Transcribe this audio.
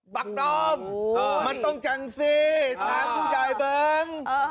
ักดอมมันต้องจังสิถามผู้ใหญ่เบิ้ง